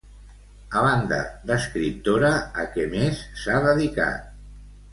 A banda d'escriptora, a què més s'ha dedicat?